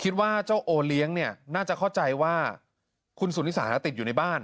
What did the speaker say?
คิดว่าเจ้าโอเลี้ยงเนี่ยน่าจะเข้าใจว่าคุณสุนิสาติดอยู่ในบ้าน